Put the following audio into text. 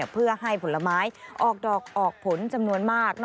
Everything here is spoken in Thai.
เพื่อให้ผลไม้ออกดอกออกผลจำนวนมาก